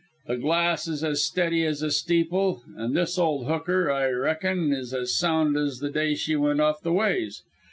The glass is as steady as a steeple, and this ol' hooker, I reckon, is as sound as the day she went off the ways.